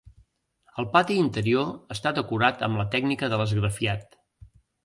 El pati interior està decorat amb la tècnica de l'esgrafiat.